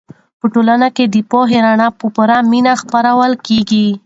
په ټولنه کې د پوهې رڼا په پوره مینه خپرول کېږي.